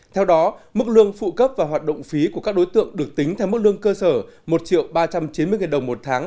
theo đó mức lương phụ cấp và hoạt động phí của các đối tượng được tính theo mức lương cơ sở một ba trăm chín mươi đồng một tháng